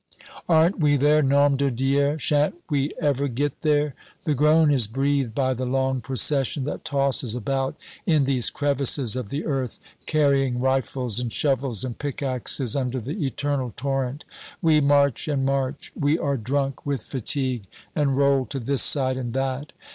"Aren't we there? Nom de Dieu, shan't we ever get there?" The groan is breathed by the long procession that tosses about in these crevices of the earth, carrying rifles and shovels and pickaxes under the eternal torrent. We march and march. We are drunk with fatigue, and roll to this side and that.